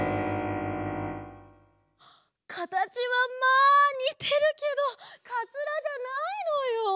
かたちはまあにてるけどかつらじゃないのよ。